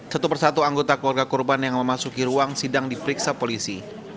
satu persatu anggota keluarga korban yang memasuki ruang sidang diperiksa polisi